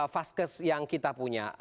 vaskes yang kita punya